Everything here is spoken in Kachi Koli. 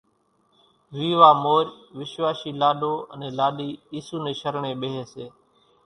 ويوا مورِ وِشواشِي لاڏو انين لاڏِي اِيسُو نين شرڻين ٻيۿيَ سي۔